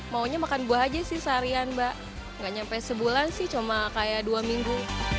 maunya makan buah saja seharian mbak tidak sampai sebulan sih cuma dua minggu